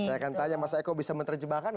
saya akan tanya mas eko bisa menerjemahkan